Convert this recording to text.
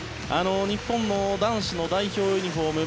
日本も男子の代表ユニホーム